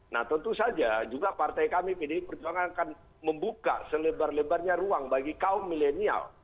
nah tentu saja juga partai kami pdi perjuangan akan membuka selebar lebarnya ruang bagi kaum milenial